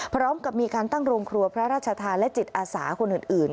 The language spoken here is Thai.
พร้อมกับมีการตั้งโรงครัวพระราชทานและจิตอาสาคนอื่น